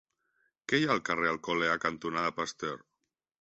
Què hi ha al carrer Alcolea cantonada Pasteur?